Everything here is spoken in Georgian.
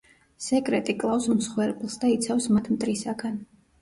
სეკრეტი კლავს მსხვერპლს და იცავს მათ მტრისაგან.